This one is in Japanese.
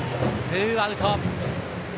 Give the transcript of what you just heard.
ツーアウト。